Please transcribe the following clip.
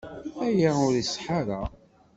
Aya ur iṣeḥḥa ara.